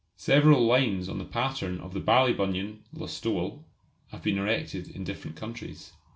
Several lines on the pattern of the Ballybunion Listowel have been erected in different countries.